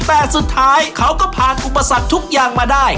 แต่สุดท้ายเขาก็ผ่านอุปสรรคทุกอย่างมาได้